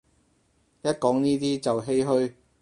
一講呢啲就唏噓